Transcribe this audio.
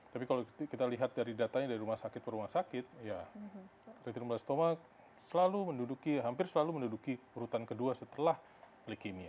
tapi kalau kita lihat dari datanya dari rumah sakit ke rumah sakit ya retnostoma selalu menduduki hampir selalu menduduki urutan kedua setelah leukemia